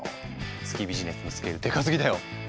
月ビジネスのスケールでかすぎだよ！